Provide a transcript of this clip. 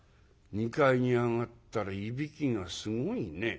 ２階に上がったらいびきがすごいね。